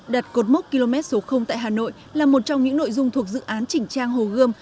đặt cột mốc km số tại hà nội là một trong những nội dung thuộc dự án chỉnh trang hồ gươm